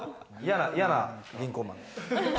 嫌な銀行マン。